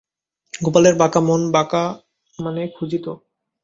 গোপালের বাঁকা মন বাঁকা মানে খুঁজিত।